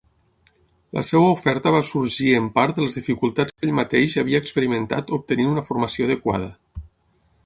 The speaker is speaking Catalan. La seva oferta va sorgir en part de les dificultats que ell mateix havia experimentat obtenint una formació adequada.